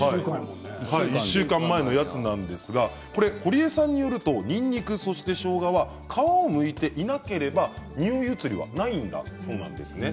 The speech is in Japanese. １週間前のやつなんですがほりえさんによるとにんにく、そして、しょうがは皮をむいていなければにおい移りはないんだそうです。